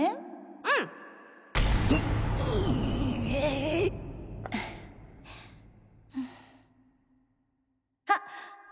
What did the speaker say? うん！あっ！